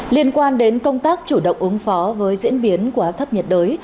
liên quan đến công tác chủ động ứng phó với diễn biến của áp thấp nhiệt đới